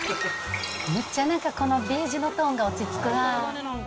むっちゃなんかこのベージュのトーンが落ち着くわ。